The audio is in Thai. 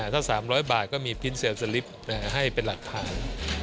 ถ้า๓๐๐บาทก็มีพิ้นเซลล์สลิปให้เป็นหลักฐาน